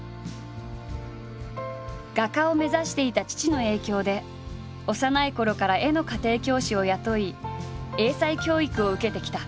画家を目指していた父の影響で幼いころから絵の家庭教師を雇い英才教育を受けてきた。